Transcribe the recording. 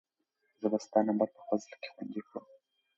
زه به ستا نمبر په خپل زړه کې خوندي کړم.